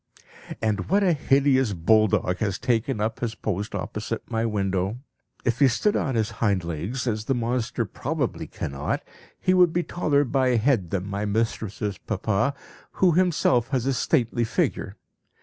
"And what a hideous bulldog has taken up his post opposite my window! If he stood on his hind legs, as the monster probably cannot, he would be taller by a head than my mistress's papa, who himself has a stately figure.